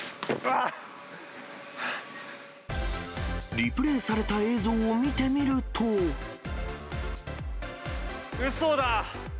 リプレーされた映像を見てみうそだ。